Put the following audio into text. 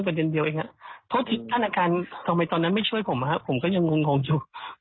ครับมันจะอยู่ไปใกล้เองทำทำไม่ได้จริงจริงน่ะ